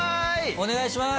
お願いします！